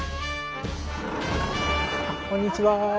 こんにちは。